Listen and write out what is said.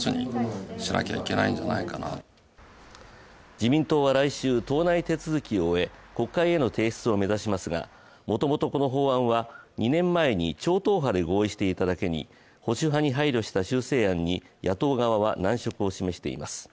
自民党は来週、党内手続きを終え国会への提出を目指しますが、もともとこの法案は２年前の超党派で合意していただけに保守派に配慮した修正案に野党側は難色を示しています。